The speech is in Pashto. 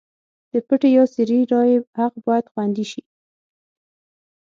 د پټې یا سري رایې حق باید خوندي شي.